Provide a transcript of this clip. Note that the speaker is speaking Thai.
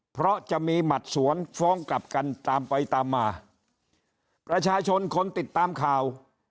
เพราะจะมีหมัดสวนฟ้องกลับกันตามไปตามมาประชาชนคนติดตามข่าว